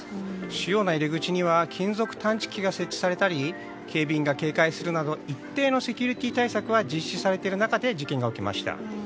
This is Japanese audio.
主要な入り口には金属探知機が設置されたり警備員が警戒するなど一定のセキュリティー対策は実施されている中で事件が起きました。